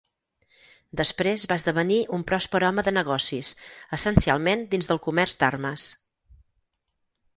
Després va esdevenir un pròsper home de negocis, essencialment dins del comerç d'armes.